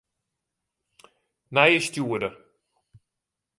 Nije stjoerder.